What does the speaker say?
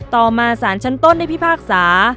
ต่อมาสารชั้นต้นได้พิพากษา